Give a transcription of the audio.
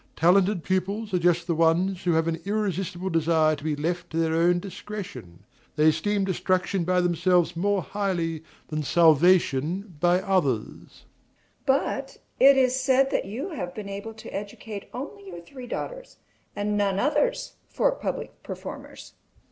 Talented pupils are just the ones who have an irresistible desire to be left to their own discretion; they esteem destruction by themselves more highly than salvation by others. MRS. SOLID. But it is said that you have been able to educate only your three daughters, and none others for public performers.